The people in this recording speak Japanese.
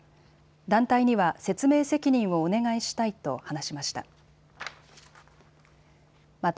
団体には説明責任をお願いしたいと話しました。